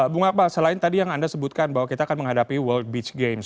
bung akmal selain tadi yang anda sebutkan bahwa kita akan menghadapi world beach games